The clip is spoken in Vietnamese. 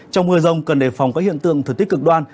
trong mưa rông cần đề phòng các hiện tượng thực tích cực đoan